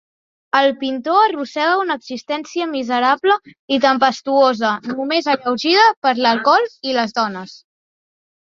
El pintor arrossega una existència miserable i tempestuosa, només alleugerida per l'alcohol i les dones.